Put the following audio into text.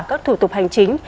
các thủ tục hành chính